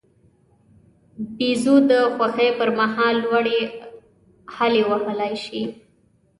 بیزو د خوښۍ پر مهال لوړې هلې وهلای شي.